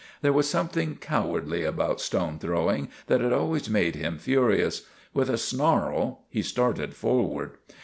There was something cowardly about stone throwing that had always made him furious. With a snarl he started forward.